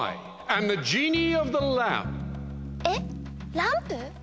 ランプ？